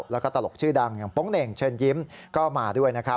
แล้วก็ตลกชื่อดังอย่างโป๊งเหน่งเชิญยิ้มก็มาด้วยนะครับ